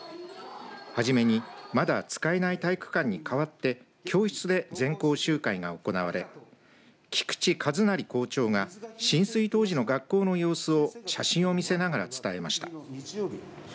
初めに、まだ使えない体育館に代わって教室で全校集会が行われ菊地一慈校長が浸水当時の学校の様子を写真を見せながら伝えました。